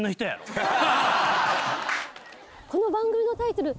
この番組のタイトル